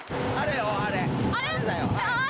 あれ？